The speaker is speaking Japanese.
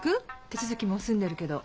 手続きもう済んでるけど。